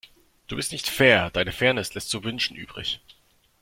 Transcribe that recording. Du bist nicht fair, deine Fairness lässt zu wünschen übrig.